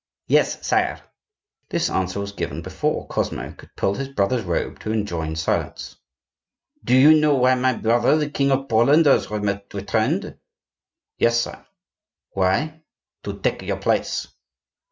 "Yes, sire." This answer was given before Cosmo could pull his brother's robe to enjoin silence. "Do you know why my brother, the King of Poland, has returned?" "Yes, sire." "Why?" "To take your place."